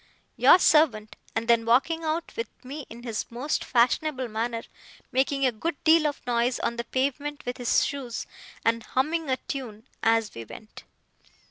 Your servant,' and then walking out with me in his most fashionable manner, making a good deal of noise on the pavement with his shoes, and humming a tune as we went.